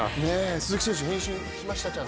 鈴木選手、返信しました？